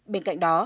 bên cạnh đó